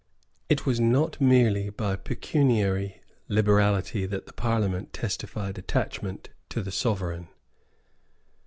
It was not merely by pecuniary liberality that the Parliament testified attachment to the Sovereign.